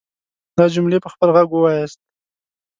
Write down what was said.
دا جملې په خپل غږ وواياست.